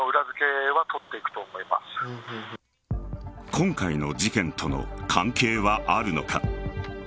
今回の事件との関係はあるのか。